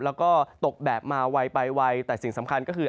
แล้วก็ตกแบบมาไวไปไวแต่สิ่งสำคัญก็คือ